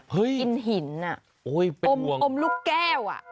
แก่นกินหินโอ้ยโอ้ยโอ้ยเป็นห่วงลูกแก้ว